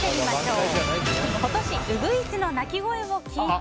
今年ウグイスの鳴き声を聞いた？